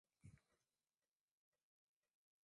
furusa zilizopo hazijatumiwa ipasavyo na wawekezaji